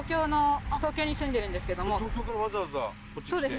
そうですね